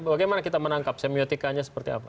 bagaimana kita menangkap semiotikanya seperti apa